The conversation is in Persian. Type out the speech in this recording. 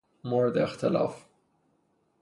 مورد اختلاف